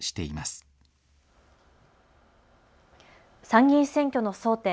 参議院選挙の争点。